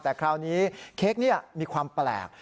แต่คราวนี้เค้กนี้มีความแปลก